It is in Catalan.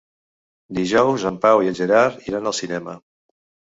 Dijous en Pau i en Gerard iran al cinema.